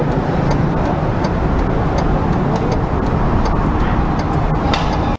เมื่อเวลาอันดับสุดท้ายมันกลายเป็นภูมิที่สุดท้าย